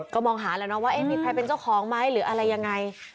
ก็มองหาแล้วนะว่ามีใครเป็นเจ้าของไหมหรืออะไรยังไง